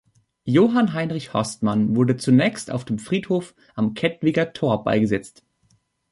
Johann Heinrich Horstmann wurde zunächst auf dem Friedhof am Kettwiger Tor beigesetzt.